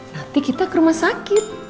hati kita ke rumah sakit